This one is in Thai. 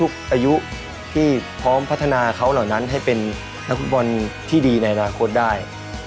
อายุที่พร้อมพัฒนาเขาเหล่านั้นให้เป็นนักฟุตบอลที่ดีในอนาคตได้